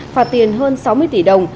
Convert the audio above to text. phạt tiền hơn sáu mươi tỷ đồng